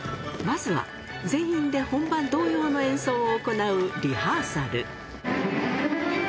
まずは全員で本番同様の演奏を行うリハーサル。